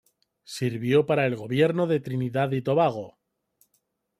Sirvió para el Gobierno de Trinidad y Tobago.